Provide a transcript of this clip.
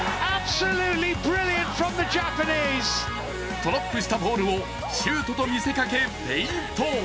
トラップしたボールをシュートと見せかけ、フェイント。